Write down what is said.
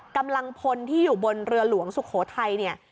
กำลังพลที่อยู่บนเรือหลวงสุโขทัยเนี่ย